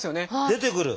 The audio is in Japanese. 出てくる！